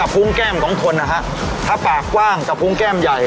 ภูมิแก้มของคนนะฮะถ้าปากกว้างกับภูมิแก้มใหญ่